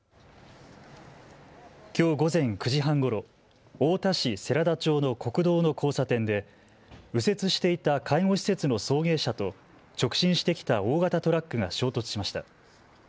きょう午前９時半ごろ太田市世良田町の国道の交差点で右折していた介護施設の送迎車と直進してきた大型トラックが衝突しました。